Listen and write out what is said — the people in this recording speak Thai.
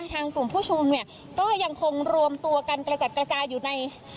ทางกลุ่มผู้ชุมนุมเนี่ยก็ยังคงรวมตัวกันกระจัดกระจายอยู่ใน